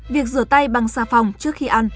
việc rửa tay bằng xà phòng trước khi ăn